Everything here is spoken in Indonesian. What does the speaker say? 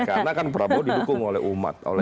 karena kan prabowo didukung oleh umat